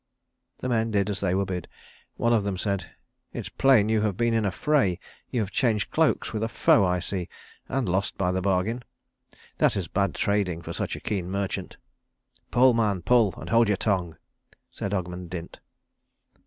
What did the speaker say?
The men did as they were bid. One of them said, "It's plain you have been in the fray. You have changed cloaks with a foe, I see, and lost by the bargain. That is bad trading for such a keen merchant." "Pull, man, pull, and hold your tongue," said Ogmund Dint.